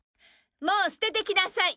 もう捨ててきなさい！